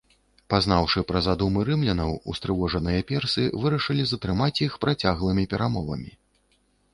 Пазнаўшы пра задумы рымлянаў, устрывожаныя персы вырашылі затрымаць іх працяглымі перамовамі.